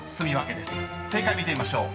［正解見てみましょう。